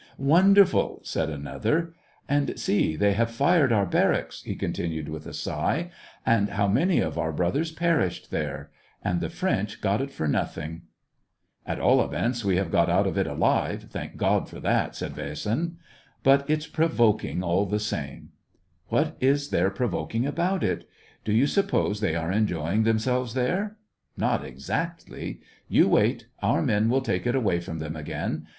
" Wonderful !" said another. " And see, they have fired our barracks," he continued, with a sigh. " And how many of our brothers perished there; and the French got it for nothing !"* The feminine form, as previously referred to. 258 SEVASTOPOL IN AUGUST. " At all events, we have got out of it alive — thank God for that !" said Vasin. '' But it's provoking, all the same !"" What is there provoking about it ? Do you suppose they are enjoying themselves there? Not exac.tly ! You wait, our men will take it away from them again.